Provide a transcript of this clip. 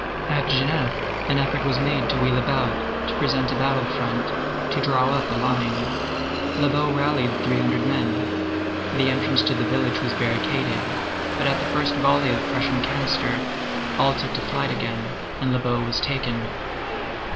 At Genappe, an effort was made to wheel about, to present a battle front, to draw up in line. Lobau rallied three hundred men. The entrance to the village was barricaded, but at the first volley of Prussian canister, all took to flight again, and Lobau was taken.